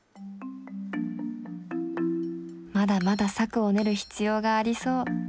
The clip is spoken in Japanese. まだまだ策を練る必要がありそう。